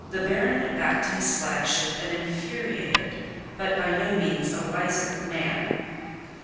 The Baron went back to his flagship an infuriated, but by no means a wiser man.